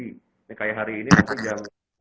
dan memastikan yang mereka lakukan